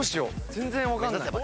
全然分かんない。